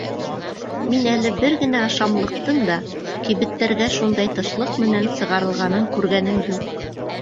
Мин әле бер генә ашамлыҡтың да кибеттәргә шундай тышлыҡ менән сығарылғанын күргәнем юҡ.